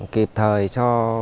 kịp thời cho